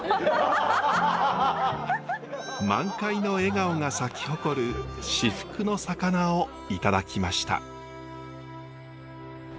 満開の笑顔が咲き誇る至福の魚をいただきました。